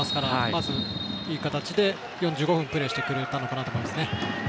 まずいい形で４５分プレーしてくれたのかなと思います。